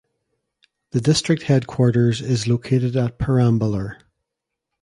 The district headquarters is located at Perambalur.